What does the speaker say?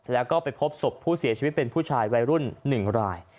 แล้วก็ไปพบศพผู้เสียชีวิตเป็นผู้ชายวัยรุ่น๑ราย